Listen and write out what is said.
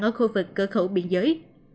ở khu vực cửa khẩu biên giới